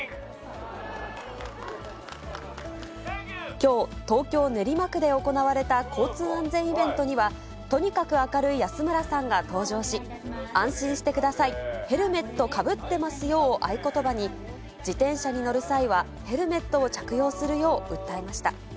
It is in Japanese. きょう、東京・練馬区で行われた交通安全イベントには、とにかく明るい安村さんが登場し、安心してください、ヘルメットかぶってますよを合言葉に、自転車に乗る際はヘルメットを着用するよう訴えました。